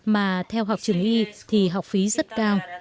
mà theo học trường y thì học phí rất cao